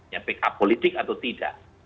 yang pkpolitik atau tidak